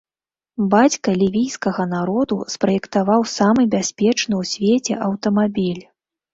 Бацька лівійскага народу спраектаваў самы бяспечны ў свеце аўтамабіль.